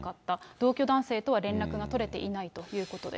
同居男性とは連絡は取れていないということです。